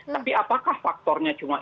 tapi apakah faktornya cuma